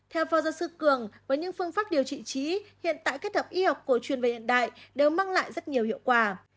theo phó giáo sư cường với những phương pháp điều trị trí hiện tại kết hợp y học cổ truyền về hiện đại đều mang lại rất nhiều hiệu quả